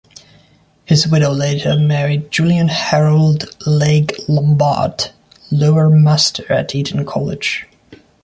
His widow later married Julian Harold Legge Lambart, Lower Master at Eton College.